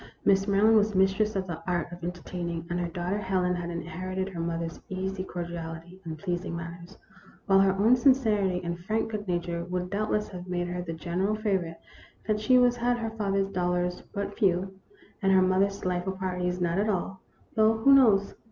Mrs. Maryland was mistress of the art of enter taining, and her daughter Helen had inherited her mother's easy cordiality and pleasing manners, while her own sincerity and frank good nature would doubtless have made her the general favor ite that she was had her father's dollars been but few and her mother's delightful parties not at all ; though who knows